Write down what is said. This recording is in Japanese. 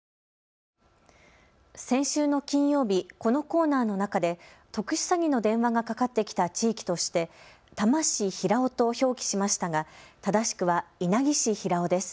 先週の金曜日、このコーナーの中で特殊詐欺の電話がかかってきた地域として多摩市平尾と表記しましたが正しくは稲城市平尾です。